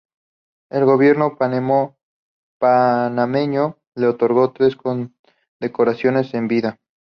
El gobierno panameño le otorgó tres condecoraciones en vida.